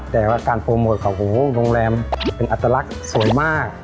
แต่ว่าการโปรโมทของโหโรงแรมเป็นอัตลักษณ์สวยมาก